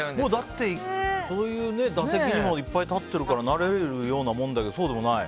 だってそういう打席にもいっぱい立ってるから慣れるようなもんだけどそうでもない？